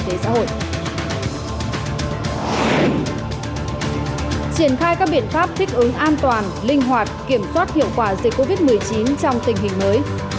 triển khai các biện pháp thích ứng an toàn linh hoạt kiểm soát hiệu quả dịch covid một mươi chín trong tình hình mới